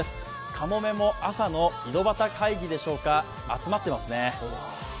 カモメも朝の井戸端会議でしょうか集まってますね。